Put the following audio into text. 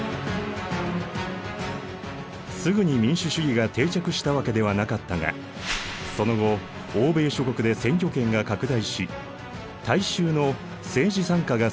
すぐに民主主義が定着したわけではなかったがその後欧米諸国で選挙権が拡大し大衆の政治参加が進んでいった。